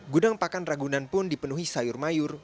gudang pakan ragunan pun dipenuhi sayur mayur